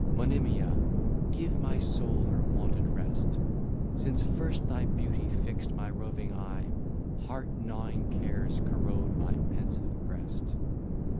Monimia, give my soul her wonted rest;— Since first thy beauty fixed my roving eye, heart gnawing cares corrode my pensive breast!